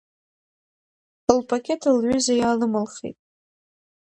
Лпакет лҩыза иаалымылхит.